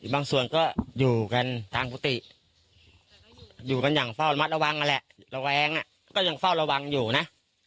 บางส่วนก็อยู่กันทางกุฏิอยู่กันอย่างเฝ้าระมัดระวังนั่นแหละระแวงก็ยังเฝ้าระวังอยู่นะ